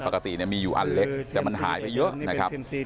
ปกติมีอยู่อันเล็กแต่มันหายไปเยอะนะครับ